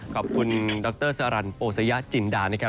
ครับขอบคุณดรสรรันโปซัยจินดานะครับ